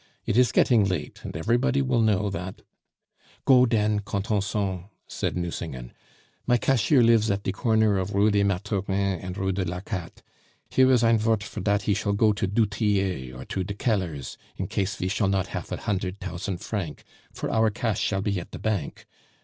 It is getting late, and everybody will know that " "Go den, Contenson," said Nucingen. "My cashier lives at de corner of Rue des Mathurins and Rue de l'Arcate. Here is ein vort for dat he shall go to du Tillet or to de Kellers, in case ve shall not hafe a hundert tousant franc for our cash shall be at de Bank.